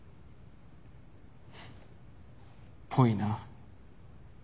フッぽいな。